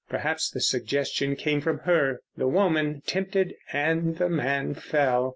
Perhaps the suggestion came from her.... The woman tempted and the man fell.